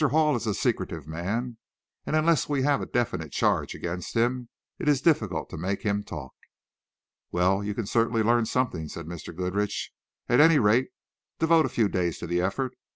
Hall is a secretive man, and unless we have a definite charge against him it is difficult to make him talk." "Well, you can certainly learn something," said Mr. Goodrich. "At any rate devote a few days to the effort.